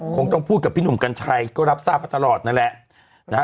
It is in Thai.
คงต้องพูดกับพี่หนุ่มกัญชัยก็รับทราบมาตลอดนั่นแหละนะฮะ